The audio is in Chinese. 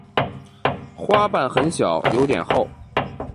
花瓣很小，有点厚。